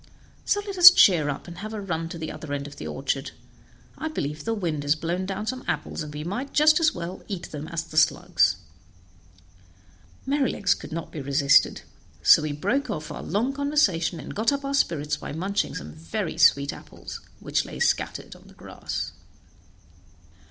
So let us cheer up, and have a run to the other end of the orchard; I believe the wind has blown down some apples, and we might just as well eat them as the slugs." Merrylegs could not be resisted, so we broke off our long conversation, and got up our spirits by munching some very sweet apples which lay scattered on the grass.